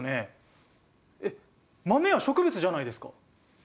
えっ豆は植物じゃないですか。